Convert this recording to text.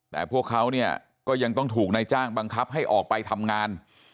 แต่พวกเขาเนี่ยก็ยังต้องถูกนายจ้างบังคับให้ออกไปทำงาน